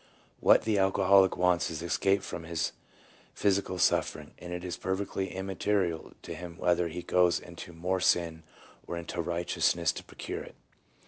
1 What the alcoholic wants is escape from his physical suffering, and it is perfectly immaterial to him whether he goes into more sin or into righteous ness to procure it.